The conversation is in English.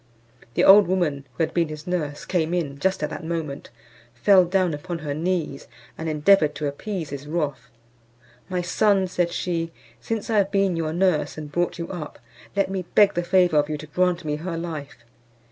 The old woman, who had been his nurse, came in just at that moment, fell down upon her knees, and endeavoured to appease his wrath. "My son," said she, "since I have been your nurse and brought you up, let me beg the favour of you to grant me her life.